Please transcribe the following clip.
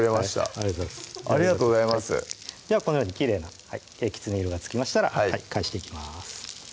ありがとうございますありがとうございますではこのようにきれいなきつね色がつきましたら返していきます